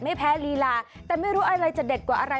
ไม่แพ้ลีลาแต่ไม่รู้อะไรจะเด็ดกว่าอะไร